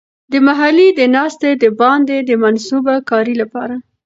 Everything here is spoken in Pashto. د محلي د ناستې د باندې د منصوبه کارۍ لپاره.